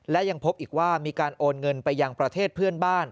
และยังพบอีกว่ามีการโอนเงินไปยังประเทศเพื่อนบ้าน